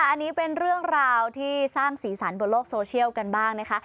อันนี้เป็นเรื่องราวที่สร้างสีสันบนโลกโซเชียลกันบ้างนะคะ